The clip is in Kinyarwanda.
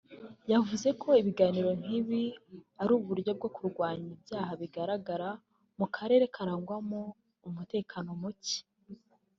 yavuze ko ibiganiro nk’ibi ari uburyo bwo kurwanya ibyaha bigaragara mu karere karangwamo umutekano mucye